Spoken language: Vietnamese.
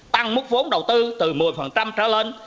tăng mức vốn đầu tư từ một mươi trở lên